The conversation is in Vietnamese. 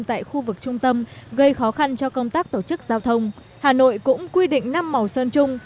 tại khu vực trung tâm gây khó khăn cho công tác tổ chức giao thông hà nội cũng quy định năm màu sơn chung